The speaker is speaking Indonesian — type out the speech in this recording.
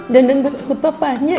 danan buat sebut papanya